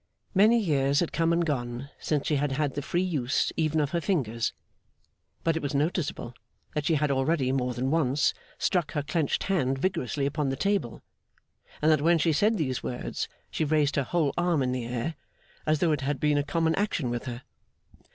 Many years had come and gone since she had had the free use even of her fingers; but it was noticeable that she had already more than once struck her clenched hand vigorously upon the table, and that when she said these words she raised her whole arm in the air, as though it had been a common action with her.